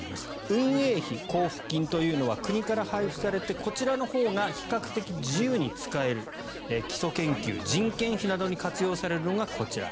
運営費交付金というのは国から配布されてこちらのほうが比較的自由に使える基礎研究、人件費などに活用されるのがこちら。